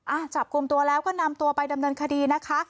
จับกลุ่มตัวแล้วก็นำตัวไปดำเนินคดีนะคะ